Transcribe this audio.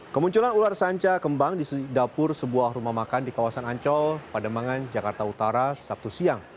kemunculan ular sanca kembang di dapur sebuah rumah makan di kawasan ancol pada mangan jakarta utara sabtu siang